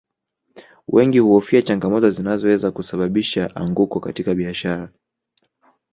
Wengi huhofia changamoto zinazoweza kusababisha anguko katika biashara